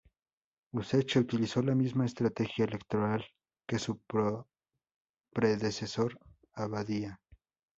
Useche utilizó la misma estrategia electoral que su predecesor Abadía.